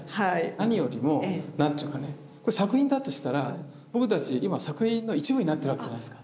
何よりも何ていうかなこれ作品だとしたら僕たち今作品の一部になってるわけじゃないですか。